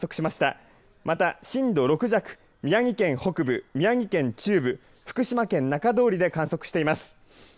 また、震度６弱宮城県北部、宮城県中部福島県中通りで観測しています。